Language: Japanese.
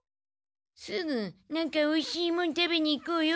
すぐ「なんかおいしいもん食べに行こうよ」